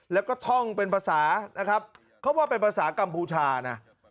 แล้วก็ท่องเป็นภาษานะครับเขาว่าเป็นภาษากัมพูชานะ